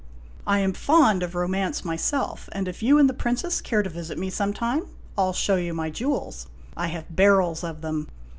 I am fond of romance myself, and if you and the Princess care to visit me some time, I '11 show you my jewels. I have barrels of them.